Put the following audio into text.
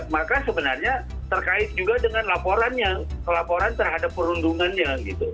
maka sebenarnya terkait juga dengan laporannya kelaporan terhadap perundungannya